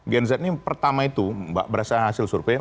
gen z ini pertama itu mbak berdasarkan hasil survei